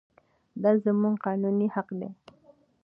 دا زموږ قانوني حق دی.